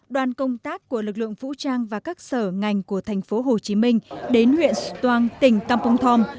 đoàn công tác của lực lượng vũ trang và các sở ngành của tp hcm đến huyện xuân toan tỉnh campuchong